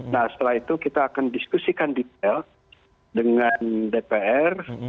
nah setelah itu kita akan diskusikan detail dengan dpr